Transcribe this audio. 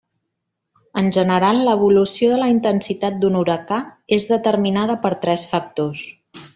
En general, l'evolució de la intensitat d'un huracà és determinada per tres factors.